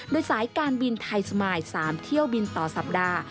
โดยสายการบินไทยสมาย๓เที่ยวบินต่อสัปดาห์